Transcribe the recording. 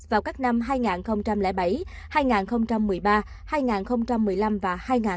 vào các năm hai nghìn bảy hai nghìn một mươi ba hai nghìn một mươi năm và hai nghìn một mươi